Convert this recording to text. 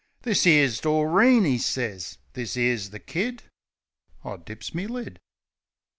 "This 'ere's Doreen," 'e sez. "This 'ere's the Kid." I dips me lid.